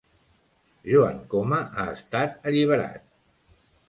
Joan Coma ha estat alliberat